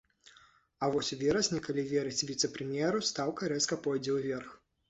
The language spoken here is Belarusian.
А вось у верасні, калі верыць віцэ-прэм'еру, стаўка рэзка пойдзе ўверх.